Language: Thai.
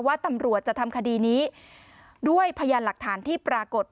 ว่าตำรวจจะทำคดีนี้ด้วยพยานหลักฐานที่ปรากฏ